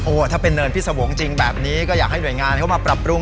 ถ้าเป็นเนินพิษวงศ์จริงแบบนี้ก็อยากให้หน่วยงานเข้ามาปรับปรุง